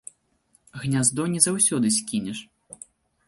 Гняздо не заўсёды скінеш.